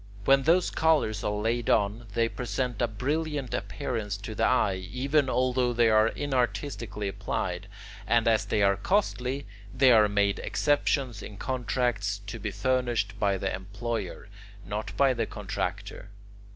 When these colours are laid on, they present a brilliant appearance to the eye even although they are inartistically applied, and as they are costly, they are made exceptions in contracts, to be furnished by the employer, not by the contractor.